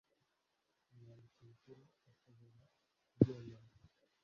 Umwanditsi Mukuru ashobora kubyemeza